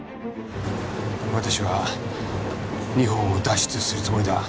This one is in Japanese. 私は日本を脱出するつもりだ。